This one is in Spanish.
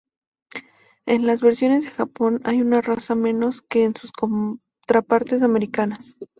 En las versiones de Japón, hay una raza menos que en sus contrapartes americanas.